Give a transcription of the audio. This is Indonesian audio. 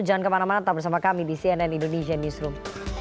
jangan kemana mana tetap bersama kami di cnn indonesia newsroom